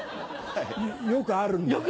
よくあるんだよ。